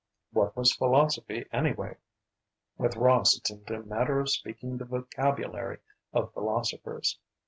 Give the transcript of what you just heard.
What was philosophy, anyway? With Ross it seemed a matter of speaking the vocabulary of philosophers.